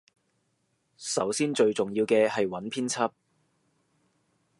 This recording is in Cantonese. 首先最重要嘅係揾編輯